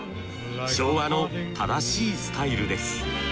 昭和の正しいスタイルです。